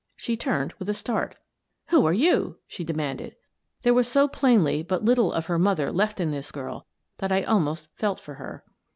She turned with a start " Who are you ?" she demanded. There was so plainly but little of her mother left in this girl that I almost felt for her.